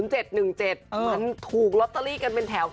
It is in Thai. มันถูกลอตเตอรี่กันเป็นแถว